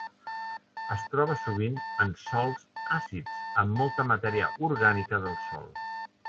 Es troba sovint en sòls àcids amb molta matèria orgànica del sòl.